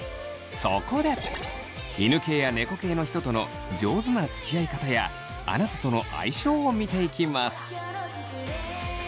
そこで犬系や猫系の人との上手なつきあい方やあなたとの相性を見ていきます。